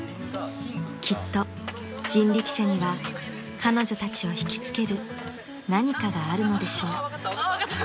［きっと人力車には彼女たちを引きつける何かがあるのでしょう］